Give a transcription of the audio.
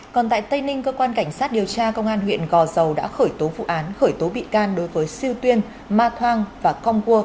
còn tại tây ninh cơ quan cảnh sát điều tra công an huyện gò dầu đã khởi tố vụ án khởi tố bị can đối với siêu tuyên ma thoang và cong cua